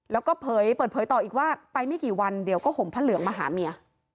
แล้วก็เผยเปิดเผยต่ออีกว่าไปไม่กี่วันเดี๋ยวก็ห่มพระเหลืองมาหาเมีย